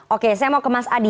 oke saya mau ke mas adi